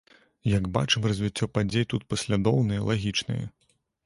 Як бачым, развіццё падзей тут паслядоўнае, лагічнае.